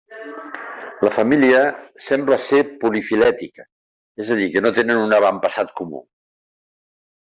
La família sembla ser polifilètica, és a dir que no tenen un avantpassat comú.